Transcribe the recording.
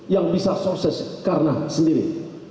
yang bisa sukses karena sendiri